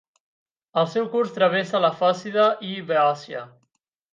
El seu curs travessa la Fòcida i Beòcia.